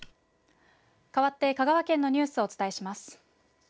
かわって香川県のニュースをお伝えします。